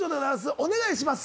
お願いします。